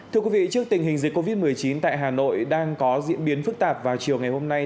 thưa quý vị trước tình hình dịch covid một mươi chín tại hà nội đang có diễn biến phức tạp vào chiều ngày hôm nay